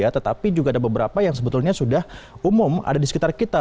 tetapi juga ada beberapa yang sebetulnya sudah umum ada di sekitar kita